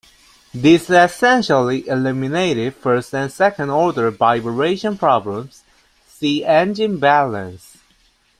This essentially eliminated first and second order vibration problems, see engine balance.